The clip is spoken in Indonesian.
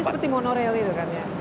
seperti monorail itu kan ya